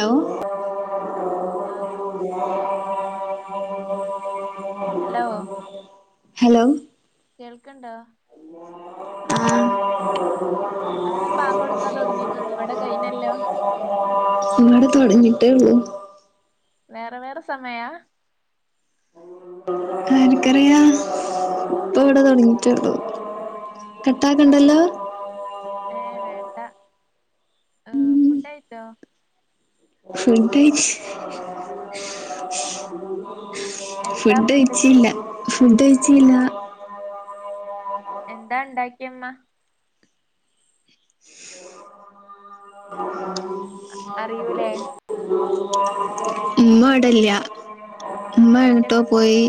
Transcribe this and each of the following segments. Hello ബാങ്ക്കൊടുക്കണ്ടല്ല hello hello കേൾക്കണ്ടോ? ആഹ് അടെ ബാങ്കൊടുക്കാൻ തുടങ്ങിയിട്ടുള്ളൂ ഇവിടെ കൈയിനല്ലോ ഇങ്ങടെ തുടങ്ങിട്ടേള്ളൂ വേറെ വേറെ സമയ എനിക്കറിയ ഇപ്പ ഇവിടെ തുടങ്ങിയിട്ടുള്ളൂ കട്ടാക്കണ്ടല്ലോ ഏഹ വേണ്ട ആഹ ഫുഡ്കഴിച്ചോ? ഫുഡ് കഴിച്ച് [inaudible] എന്താ ഫുഡ് ഫുഡ്ക്ക് കയ്ച്ചില്ല ഫുഡ് കയ്ച്ചില്ല കഴിച്ചില്ലേ എന്താ ഇണ്ടാക്കിയമ്മ [inaudible] അറിയൂല്ലേ ഉമ്മ ഇവിടല്ല ഒറ്റ ഉമ്മങ്ങട്ടോ പോയി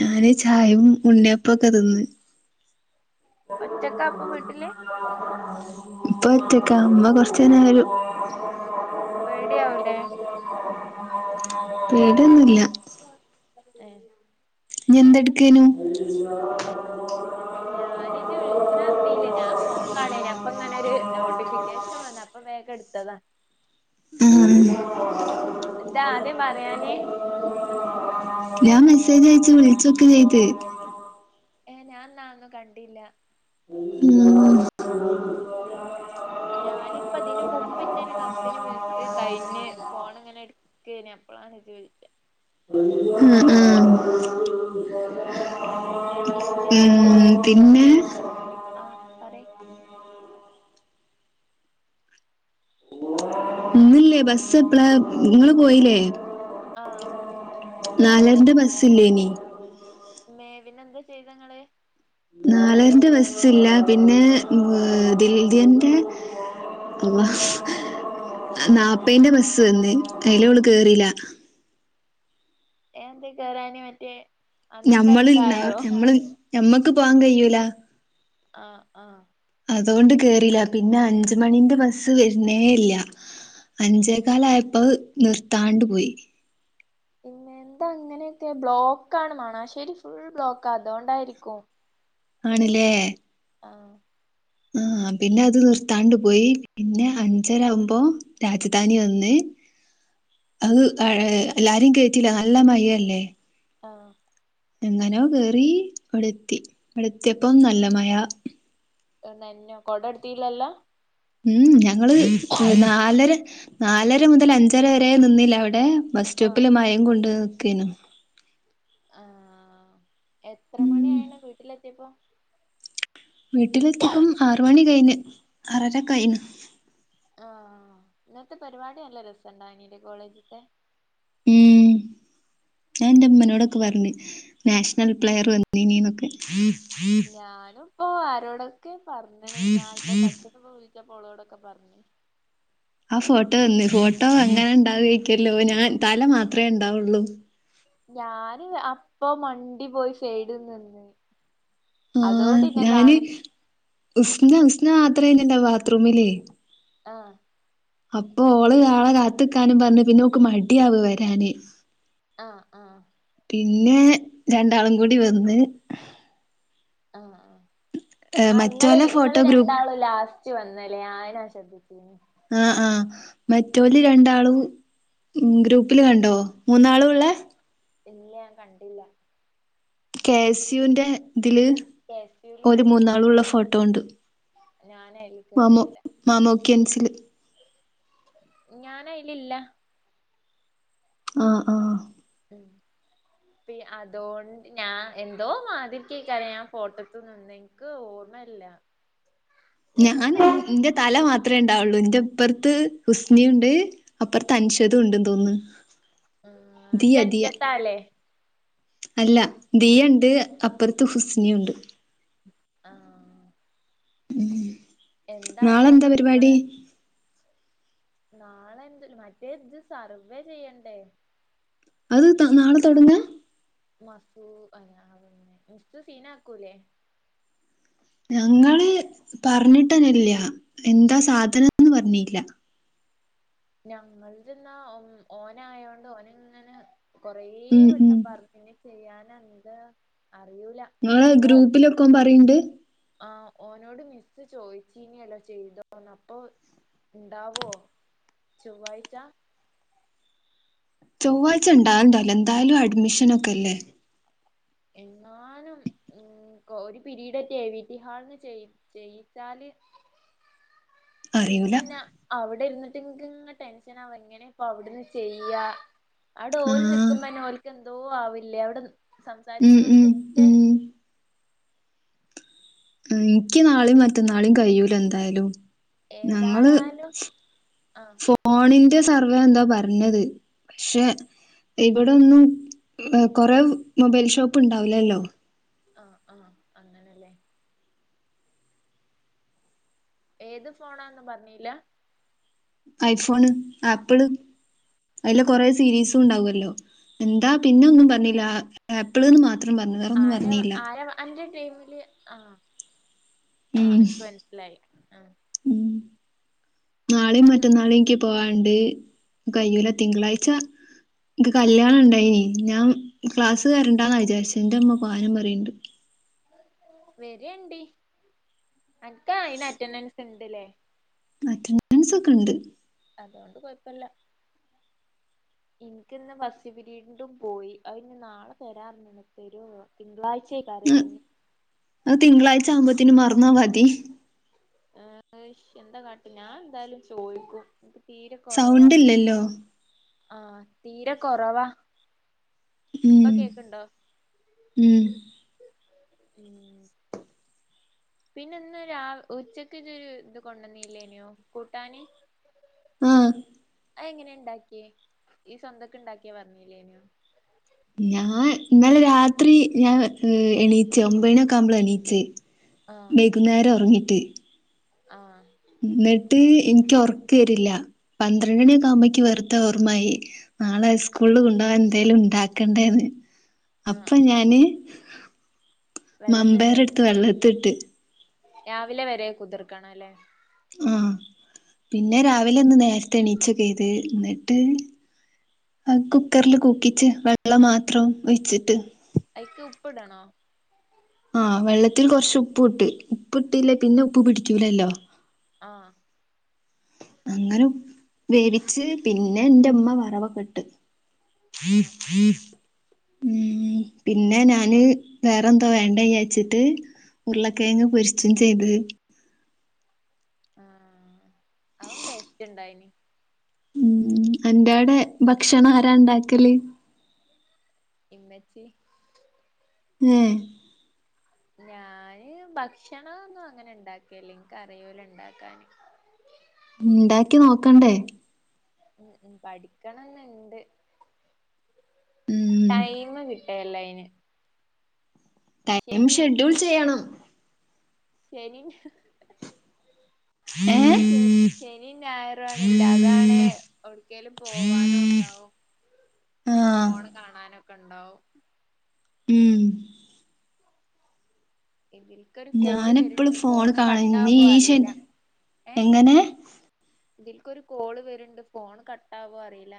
ഞാന് ചായയും ഉണ്ണിയപ്പക്കെ തിന്ന് ഒറ്റക്കാ അപ്പ വീട്ടില് ഇപ്പൊ ഒറ്റക്ക ഉമ്മ കുറച്ച നേര [unintelligible] പേടി ആവൂല്ലേ പേടിയൊന്നുല്ല ഏഹ നീ എന്തെടുക്കേനു [inaudible] ഞാൻ ജ് വിളിക്കണ അറിഞ്ഞീലേ ഞാൻ ഫോൺ കാണന അപ്പൊ ഇങ്ങനെ ഒരു നോട്ടിഫ കേഷൻ വന്നുഅപ്പ വേഗ എടുത്തതാ ഉം ഉം എന്താ ആദ്യം പറയാഞ്ഞേ ഞാൻ മെസ്സേജ് അയച്ചു വിളിച്ചൊക്കെ ചെയ്ത് ഏഹ ഞൻ എന്ന ഒന്നും കണ്ടില്ല ഉം ഞാനിപ്പ അതിന് മുമ്പ് എന്റെ ഒരു കസിന് വിളിച്ച് കഴിഞ്ഞ് ഫോണിങ്ങനെ എടു കേന അപ്പളാണ് ജ് വിളിച്ചത് ഉം ഉം ഇന്റതും ഉം പിന്നെ ആഹ് പറയ് ഇന്നില്ലേ ബസ് എപ്പളാ ഇങ്ങള് പോയിലെ? ആഹ് നാലരന്റെ ബസ്സില്ലേനി മേപിനെന്താ ചെയ്തെങ്ങള് നാലരെന്റെ ബസ്സില്ല പിന്നെ എഹ് [unintelligible] അള്ളാ നാൽപ്പെയ്ന്റെ ബസ് വന്നീന് അയില് ഓള് കേറില്ലാ ഏഹ് എന്ത് കെയറാഞ്ഞെ മറ്റേ ഞമ്മൾന്നാ അന്നത്തായിരിക്കായോ ഞമ്മള് ഞമ്മക്ക് പോവാൻ കയ്യൂല ആഹ് ആ അതുകൊണ്ട് കേറിലാ, പിന്നെ അഞ്ച് മണീന്റെ ബസ്സ് വരുന്നേ ഇല്ല അഞ്ചേക്കാലായപ്പോ നിർത്താണ്ട് പോയി പിന്നെ എന്താ അങ്ങനെയൊക്കെ ബ്ലോക്ക് ആണ് മണാശ്ശേരി ഫുൾ ബ്ലോക്കാ അതൊണ്ടായിരിക്കും. [inaudible] അയ്യോ ആഹ് ആഹ് പിന്നെ അത് നിർത്താണ്ട് പോയി പിന്നെ അഞ്ചരാവുമ്പോ രാജധാനി വന്ന് അത് ആ എല്ലാരും കേയറ്റിലാ നല്ല മയ അല്ലേ ആഹ് എങ്ങനോ കേറി ഇവിടെത്തി ഇവിടെത്തിയപ്പോ നല്ല മയ ആ നെനഞ്ഞോ കൊട എടുത്തീലല്ലോ? ഉം ഞങ്ങള് നാലര നാലര മുതൽ അഞ്ചര വരെ നിന്നീലെ അവടെ ബസ് ആഹ് സ്റ്റോപ്പില് മയേം കൊണ്ട് നിക്കെനു ആ എത്ര ഉം മണി ആയിണ് വീട്ടിലെത്തിയപ്പോ? വീട്ടിലെത്തിയെപ്പം ആറ് മണി കയിഞ്ഞ് ആറരൊക്കായിന്ന് ആഹ് ഇന്നത്തെ പരിപാടി നല്ലെരസണ്ടായിനിലെ കോളേജ്ത്തെ ഉം ഞാൻ എന്റെ ഉമ്മനോടൊക്കെ പറഞ്ഞ് നാഷണൽ പ്ലെയർ വന്നീനീന്നൊക്കെ ഞാനും ഇപ്പോ ആരോടൊക്കെ പറഞ്ഞ്ണ് ഞാൻ എന്റെ കസിനിപ്പോ വിളിച്ചപ്പോ ഓളോടൊക്കെ പറഞ്ഞ് ആ ഫോട്ടോ വന്ന് ഫോട്ടോ അങ്ങനെ ഉണ്ടാവേക്കല്ലോ ഞാൻ തല മാത്രമേ ഉണ്ടാവുള്ളൂ ഞാന് അപ്പോ മണ്ടി പോയി സെയിഡിൽ നിന്ന് ആ അതോണ്ട് ഇന്നെ ഞാന് കാണ് ഉസ്ന ഉസ്ന മാത്രേ ഇഞ്ഞിണ്ടാവു ബാത്ത്റൂമില് ആഹ് അപ്പൊ ഓള് ആളെ കാത്ത്ക്കാനും പറഞ്ഞ് പിന്നെ ഓക്ക് മടിയാവവരാന് ആഹ് ആഹ് പിന്നെ രണ്ടാളും കൂടി വന്ന് ആഹ് ആഹ് ഏഹ് ആ ഇങ്ങള് മറ്റോലെ ഇങ്ങള് ഫോട്ടോ ഗ്രൂപ്പ് രണ്ടാളും ലാസ്- വന്നുലെ ആ അത് നാൻ ശ്രദ്ധിച്ചീന് ആഹ് ആഹ് മറ്റോല് രണ്ടാളും ഉം ഗ്രൂപ്പിൽ കണ്ടോ മൂന്നാളൂള്ളെ ഇല്ല ഞാൻ കണ്ടില്ല കെ എസ് യു ൻ്റെ ഇതില് കെ എസ് ഓര് മൂന്നാളൂള്ള ഫോട്ടോ ഉണ്ട് ഞാനെ മാമോ മാമോക്കെൻസ് ഞാനയിലില്ല ആഹ് ആഹ് ഉം ഇപ്പതോണ്ട് ഞാൻ എന്തോ മാതിരിക്കെക്കാരം ഞാൻ ഫോട്ടത്ത് നിന്നെയിഞ്ഞാൽ ക്ക് ഓർമ്മല്ല [inaudible] ഞാൻ രസണ്ടായത് എന്റെ തല മാത്രമേ ഉണ്ടാവുള്ളു എന്റെപ്പുറത്ത് ഹുസ്നിയുണ്ട് അപ്പുറത്ത് അൻഷദ് ഉണ്ട് തോന്നുന്നു. ആഹ് ദിയ ഇജ്ജ് ദിയ ഒറ്റയ്ക്കാല്ലേ. അല്ല ദിയണ്ട് അപ്പുറത്ത് ഹുസ്നിയുണ്ട് ആഹ ഉം നാളെയെന്താ എന്തായാലും പരിപാടി. നമ്മള് നാളെ എന്ത് മറ്റേ ഇജ്ജ് സർവ്വേ ചെയ്യണ്ടേ. അത് ത നാളെ തോടങ്ങ മസ് അ പിന്നെ മിസ്സ്‌ സീന ആക്കൂല്ലേ ഞങ്ങള് പറഞ്ഞിട്ന്നില്ല എന്താ സാധനന്ന് പറഞ്ഞില്ല ഞങ്ങള് തിന്നാൽ ഓ ഓന് ആയോണ്ട് ഓന് ഇങ്ങനെ. കൊറെ ഉം ഉം വട്ടം പറഞ്ഞു ഇനി ചെയ്യാൻ എന്ത് അറിയൂല. നിങ്ങളെ ഗ്രൂപ്പിലൊക്കെ ഓൻ പറയിണ്ട് ആഹ ഓനോട് മിസ്സ് ചോയിച്ചിനിയോല്ലോ ചെയ്തോന്ന് അപ്പൊ ഉണ്ടാവോ ചൊവ്വാഴ്ച ചൊവ്വാഴ്ച്ച ഉണ്ടാവലുണ്ടല്ല എന്തായാലും അഡ്മിഷനൊക്കെ അല്ലെ. എന്നാലും ഉ ഉ ഒരു പിരീഡ റ്റെ എ വി റ്റി ഹാൾന്ന് ചെയ ചെയ്യിച്ചാല് ഇന്ന് അറിയൂല എന്നാ അവിടെ ഇരുന്നിട്ട് എനിക്ക് ഇങ്ങ് ടെൻഷൻ ആകുവാ, എങ്ങനെ ഇപ്പ അവിടെ ഇരുന്നു ചെയ്യാ അങ്ങട്. ആഹ് വയ്ക്കുമ്പോ ഓലുക്ക് എന്തോ ആവില്ലേ, അവിടെ ഉം സംസാരിക്കണേല് ഉം ഓലക്ക് ഒക്കെ. ഉം ഇനിക്ക് നാളെയും മറ്റന്നാളും കഴിയൂല എന്തായാലും ഞങ്ങള് ഏതായാലും ആഹ് ഫോ ഫോണിന്റെ സർവേ എന്താ പറഞ്ഞത്, പക്ഷെ. ഇവിടെയെന്നും കൊറെ മൊബൈൽ ഷോപ്പ് ഉണ്ടാവില്ലല്ലോ. ആഹ് ആഹ് അങ്ങനെല്ലേ. ഏത് ഫോണാന്നും പറഞ്ഞില്ല. ഐഫോണ് ആപ്പിള് അതില് കൊറ ആഹ് സീരീസ് ഉണ്ടാവുല്ലോ എന്താ പിന്നെ ഒന്നും പറഞ്ഞില്ല ആപ്പിൾന്ന് മാത്രം പറഞ്ഞു വേറെന്നും ആരാ പറഞ്ഞില്ല ആരാ അന്റെ ടീമില് ആഹ് ആഹ് ഉം ഇപ്പൊ മനസിലായി ആഹ്. ഉം നാളെയും എനിക്ക് മറ്റ നാളെയുംക്ക് പോവാണ്ട് കഴിയുല്ല തിങ്കളാഴ്ച്ച. ഇനിക്ക് കല്യാണം ഉണ്ടായേനി ഞാൻ ക്ലാസ് വരേണ്ടെന്ന് വിചാരിച്ച്, എന്റെ അമ്മ പോവാനും പറഞ്ഞു. വരേണ്ടി അനക്ക് അയിന് അറ്റെൻഡൻസ് ഉണ്ടാല്ലേ. അറ്റാനാൻസ് ഒക്കെ ഉണ്ട് അതുകൊണ്ട് കുഴപ്പില്ല. ഇൻക്ക് ഇന്ന് ഫാസ്റ്റ് പിരീഡ്ന്റും പോയി അയിന്ന് നാളെ തരാന്ന്പറഞ്ഞന് തരുവോ ഇന്ന് തിങ്കളാഴ്ച്ചായിരിക്കിയല്ലേ. അത് തിങ്കളാഴ്ച ആവുമ്പത്തേന് മറന്നാൽ മതി. ഏഹ് എന്താ വിഷയം എന്താ കാട്ടുന്ന, ഞാൻ എന്തായാലും ചോദിക്കും. എനിക്ക് തീരെ സൗണ്ട് ഇല്ലല്ലോ. ആഹ തീരെ കൊറവാ ഇപ്പൊ ഉം കേക്കുണ്ടോ ഉം ഉം. പിന്നെ ഇന്ന് രാ ഉച്ചക്ക് ഇതൊരു ഇത് കൊണ്ടുന്നല്ലേനി കൂട്ടാന്. ആഹ ആ എങ്ങനെയ ഉണ്ടാക്കിയ ഈ സ്വന്തക്കെ ഉണ്ടാക്കിയാ പറഞ്ഞലേനിയോ ഞാൻ ഇന്നലെ രാത്രി ഞാൻ ഉം എണീച്ചേ ഒൻപനൊക്കെ ആകുമ്പോൾ എണീച്ചേ. ആഹ് ക്കുന്നേരം ഉറങ്ങിട്ട് ആഹ് എന്നിട്ട് എനിക്ക് ഉറക്കം വരില്ല പന്ത്രണ്ട് മണിയൊക്കെ ആവുമ്പോേക്ക് വെറുതെ ഓർമ്മായി നാളെ സ്കൂളിൽ കൊണ്ട് പോകാൻ എന്തേലും ഉണ്ടാക്കണ്ടേന്ന് ആഹ് അപ്പൊ ആഹ് ഞാന് വെള്ളത്തിട്ടച്ച മമ്പയറെടുത്ത് വെള്ളത്തിട്ട് രാവിലെ വരെ കുതിർക്കണം അല്ലേ ആഹ് പിന്നെ രാവിലെ ഇന്ന് നേരത്തെ എണീച്ചൊക്കെ ചെയ്ത് എന്നിട്ട് ആഹ് കുക്കറ്ല് കുക്കിച്ചാ വെള്ളം മാത്രം വച്ചിട്ട് അയിക്ക് ഉപ്പ്ടണോ ആഹ് വെള്ളത്തിൽ കുറച്ച് ഉപ്പ് ഇട്ട് ഉപ്പ് ഇട്ടില്ലേ പിന്നെ ഉപ്പ് പിടിക്കൂലല്ലോ ആഹ് അങ്ങനെ വേവിച്ച് പിന്നെ എന്റെമ്മ വറവൊക്കെട്ട് [unintelligible] ആഹ് ഉം പിന്നെ ഞാന് വേറെന്തോ വേണ്ടത് വിചാരിച്ചിട്ട് ഉരുളക്കയങ്ങ് പൊരിച്ചും ചെയ്ത് ആഹ് അതും ടേസ്റ്റ് ഉണ്ടായിനി ഉം അന്റെടെ ഭക്ഷണം ആരാ ണ്ടാക്കല് ഇമ്മച്ചി ഏഹ് ഞാന് ഭക്ഷണ ഒന്നും അങ്ങനെ ഇണ്ടാ ക്കേല്ല ഇൻകറില ഉണ്ടാക്കാന് ഉണ്ടാക്കി നോക്കണ്ടേ ഉം ഉം പഠിക്കണംന്ന് ഇണ്ട് ഉം ടൈം കി എലൈന് ടൈം ഷെഡ്യൂൾ ചെയ്യണം ശരി ഏഹ് ശരി ശനി ഞായർ ആണല്ല അതാണ് ഒട്ക്കലും പോവാനും ഉണ്ടാവും ആഹ് ഫോണ് കാണാനൊക്കെ ഉണ്ടാവും ഉം എന്തിന് ഇൻക്ക് ഒരു കോള് വരുണ്ട് ഞാനെപ്പളും ഫോണ് കാണും ഇനി കട്ടാവോ ഈ ശ അറിയില്ല ഏഹ് എങ്ങനെ ഇതിൽക്കൊര് കോള് വര്ണ്ട് ഫോൺ കട്ടാവോ അറീല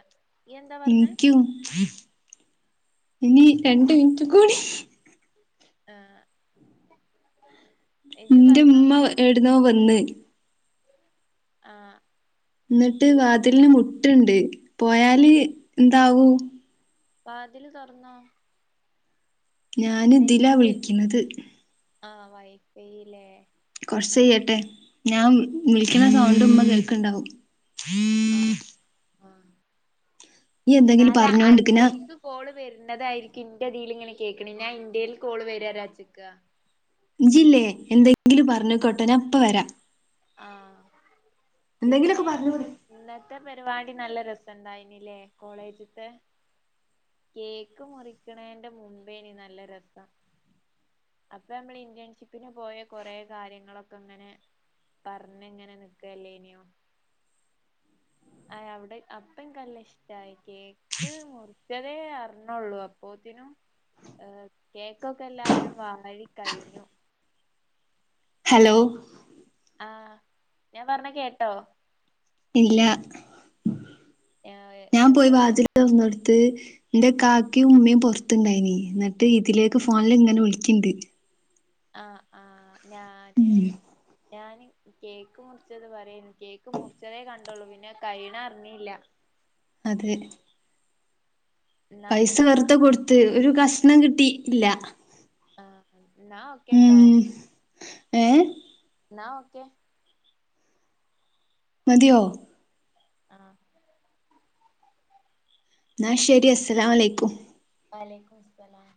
എനിക്കും ഇനി രണ്ട് മിനിറ്റ് കൂടി ആഹ് എന്റെ ഉമ്മ എടുന്നോ വന്ന് ആഹ് എന്നിട്ട് വാതിലിന് മുട്ടുണ്ട് പോയാല് എന്താവും വാതില് തൊറന്നോ ഞാന് ഇതില വിളിക്കുന്നത് ആഹ് വൈഫൈല്ലേ കൊറച്ച് കയ്യട്ടെ ഞാൻ വിളിക്കണ സൗണ്ട് മ്മ കേൾക്കുണ്ടാവും ആഹ് ഈ എന്തെങ്കിലും നല്ല പറഞ്ഞോണ്ടിക്കന അയിട്ട് കോള് വരുന്നതായിരിക്കും ഇന്റെതിൽ ഇങ്ങനെ കേൾക്കണ ഞാൻ ഇൻ്റേൽ കോള് വരാച്ചിക്ക ഇജ്ജ് ല്ലേ എന്തെങ്കിലും പറഞ്ഞ് കൊട്ടേ ഞാ ഇപ്പം വരാ ആഹ് എന്തെങ്കിലുമൊക്കെ പിന്നെ പറഞ്ഞൂടെ ഇന്നത്തെ പരിപാടി നല്ല രസം ഇണ്ടായിനല്ലേ കോളേജത്തെ കേക്ക് മുറിക്കണേന്റെ മുൻപേനി നല്ല രസം അപ്പൊ നമ്മള് ഇന്റേൺഷിപ്പിന് പോയ കൊറെ കാര്യങ്ങളൊക്കെ ഇങ്ങനെ പറഞ്ഞ് എങ്ങനെ നിക്കല്ലേനോ ആയ് അവിടെ അപ്പ ൻക് നല്ല ഇഷ്ടയി കേ ക്ക് മുറിച്ചതേ അറിഞ്ഞുള്ളൂ അപ്പോത്തിനും ഏ, കേക്കൊക്കെ എല്ലാരും വാഴി കഴിഞ്ഞു. ഹലോ ആഹ, ഞാൻ പറഞ്ഞ കേട്ടോ? ഇല്ല. ആ നമ്മള് [unintelligible] നടത്ത്.. ഇന്റെ കാകിം, ഇമ്മിം പുറത്തണ്ടായിനി, എന്നിട്ട് ഇതിലേക്ക് ഫോണിൽ ഇങ്ങനെ വിളിക്കണ്ട്. ആ ആഹ് ഞാന്.. ഉം ഞാന് കേക്ക് മുറിച്ചത് പറയായിരു കേക്ക് മുറിച്ചതേ കണ്ടുള്ളു, പിന്നെ കഴണ അറിഞ്ഞില്ല. അതെ. എന്നാ പൈസ പിന്നെത്താ വെറുത കൊടുത്ത്, ഒരു കഷണം കിട്ടി ഇല്ല. ആഹ, ഇന്നാ ഒക്കെട്ടോ. ഏഹ് എന്നാ ഓക്കെ. മതിയോ ആഹ് ന്നാ ശരി അസ്സലാമലൈക്കും വലൈക്കുമുസ്ലാം.